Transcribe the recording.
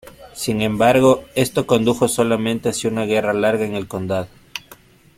Sin embargo, esto condujo solamente hacia una guerra larga en el condado.